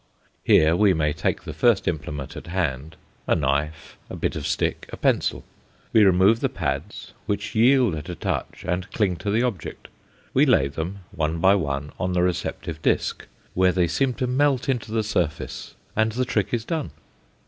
Here we may take the first implement at hand, a knife, a bit of stick, a pencil. We remove the pads, which yield at a touch, and cling to the object. We lay them one by one on the receptive disc, where they seem to melt into the surface and the trick is done.